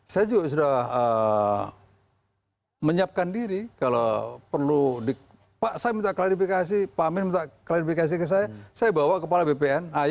saya juga sudah menyiapkan diri kalau perlu di pak saya minta klarifikasi pak amin minta klarifikasi ke saya saya bawa kepala bpn